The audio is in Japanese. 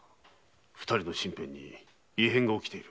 二人の身辺に異変が起きている。